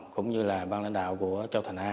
cũng như là ban lãnh đạo của châu thành a